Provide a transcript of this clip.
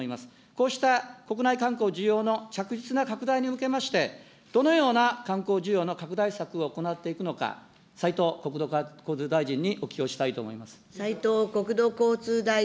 こうした国内観光需要の着実な拡大におきまして、どのような観光需要の拡大策を行っていくのか、斉藤国土交通大臣にお聞きをしたいと思います。